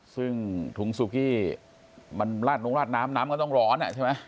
ซึ่งถุงซูกี้มันลาดลงราดน้ำน้ำก็ต้องร้อนใช่ไหม